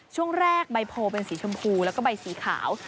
ช่วงแรกใบโพลเป็นสีชมพูแล้วก็ใบสีขาว